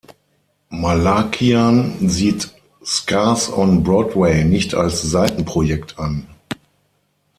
Malakian sieht Scars on Broadway nicht als Seitenprojekt an.